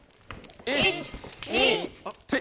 １・２。